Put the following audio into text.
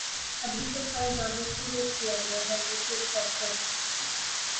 ابھی تو سائنس دانوں کو روک دیا گیا ہے، لیکن کب تک؟